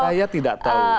saya tidak tahu